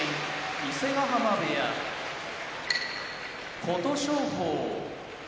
伊勢ヶ濱部屋琴勝峰